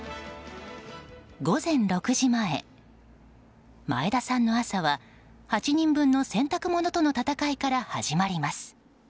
午前６時前、前田さんの朝は８人分の洗濯物との戦いから始まります。